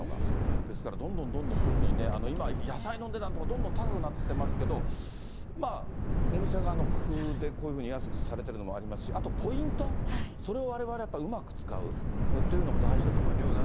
ですからどんどんどんどんこういうふうにね、今、野菜の値段とかどんどん高くなってますけど、まあ、お店側の工夫で、こういうふうに安くされてるのもありますし、あとポイント、それをわれわれうまく使うっていうのも大事だと思いますね。